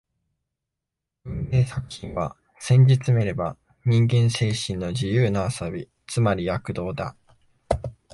文芸作品は、せんじつめれば人間精神の自由な遊び、つまり躍動だ